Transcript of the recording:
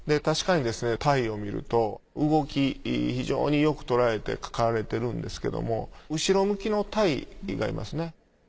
確かにですね鯛を見ると動き非常によく捉えて描かれてるんですけども後ろ向きの鯛がいますね。